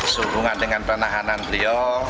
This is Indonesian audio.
sehubungan dengan penahanan beliau